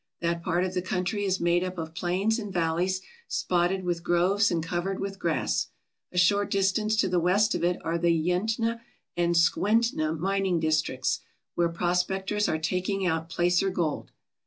That part of the country is made up of plains and valleys spotted with groves and covered with grass. A short distance to the west of it are the Yentna and Skwentna mining districts, where prospectors are taking out placer gold.